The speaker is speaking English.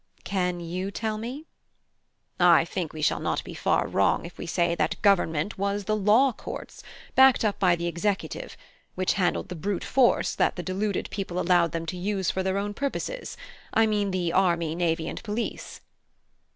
(I) Can you tell me? (H.) I think we shall not be far wrong if we say that government was the Law Courts, backed up by the executive, which handled the brute force that the deluded people allowed them to use for their own purposes; I mean the army, navy, and police.